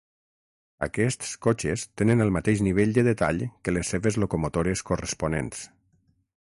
Aquests cotxes tenen el mateix nivell de detall que les seves locomotores corresponents.